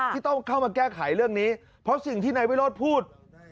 ที่ต้องเข้ามาแก้ไขเรื่องนี้เพราะสิ่งที่นายวิโรธพูด